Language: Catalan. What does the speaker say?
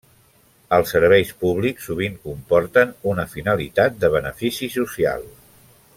Els serveis públics sovint comporten una finalitat de benefici social.